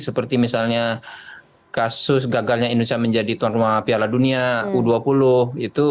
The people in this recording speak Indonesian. seperti misalnya kasus gagalnya indonesia menjadi tuan rumah piala dunia u dua puluh itu